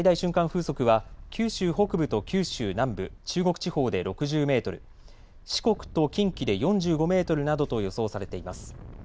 風速は九州北部と九州南部、中国地方で６０メートル、四国と近畿で４５メートルなどと予想されています。